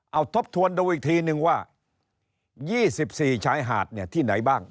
เอาทบทวนดูอีกทีหนึ่งว่ายี่สิบสี่ชายหาดเนี่ยที่ไหนบ้าง